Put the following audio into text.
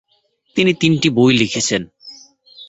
তিনি তিনটি বই লিখেছেন।